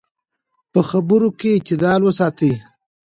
په خبرو کې اعتدال وساتئ.